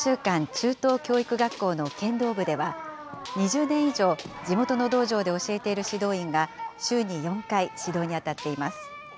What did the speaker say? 中等教育学校の剣道部では、２０年以上、地元の道場で教えている指導員が週に４回、指導に当たっています。